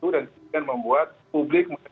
dan membuat publik